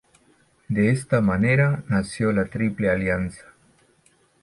De esta manera nació la Triple Alianza.